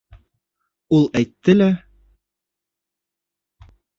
Ул Әйтте лә...